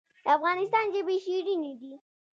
د افغانستان ژبې شیرینې دي